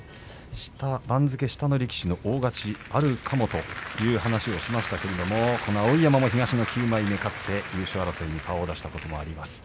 番付下の力士の大勝ちあるかもという話をしましたがこの碧山も東の９枚目かつて優勝争いに顔を出したことがあります。